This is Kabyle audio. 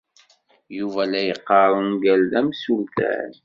Yuba la yeqqar ungal d amsultan.